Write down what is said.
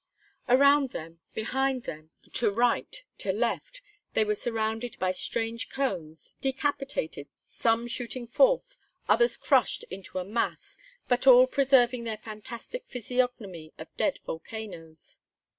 Around them, behind them, to right, to left, they were surrounded by strange cones, decapitated, some shooting forth, others crushed into a mass, but all preserving their fantastic physiognomy of dead volcanoes.